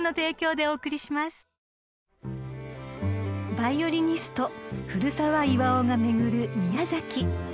［ヴァイオリニスト古澤巖が巡る宮崎］